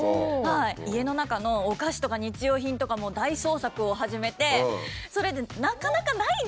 家の中のお菓子とか日用品とか大捜索を始めてそれでなかなかないんですよ。